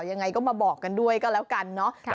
ยังไงก็มาบอกกันด้วยก็แล้วกันเนาะ